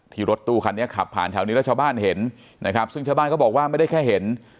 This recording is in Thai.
รถตู้คันนี้ขับผ่านแถวนี้แล้วชาวบ้านเห็นนะครับซึ่งชาวบ้านเขาบอกว่าไม่ได้แค่เห็น